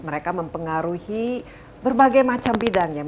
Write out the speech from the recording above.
mereka mempengaruhi berbagai macam bidangnya